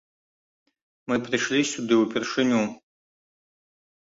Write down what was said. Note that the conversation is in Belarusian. Мы прыйшлі сюды ўпершыню.